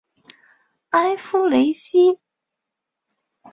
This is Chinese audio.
埃夫雷西。